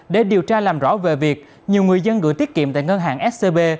để điều tra làm rõ về việc nhiều người dân gửi tiết kiệm tại ngân hàng scb